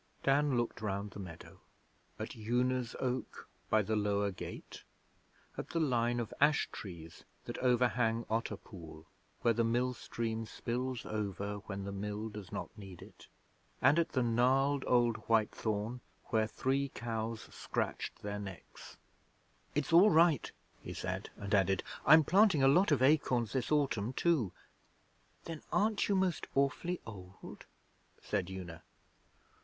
Dan looked round the meadow at Una's Oak by the lower gate; at the line of ash trees that overhang Otter Pool where the mill stream spills over when the Mill does not need it, and at the gnarled old white thorn where Three Cows scratched their necks. 'It's all right,' he said; and added, 'I'm planting a lot of acorns this autumn too.' 'Then aren't you most awfully old?' said Una.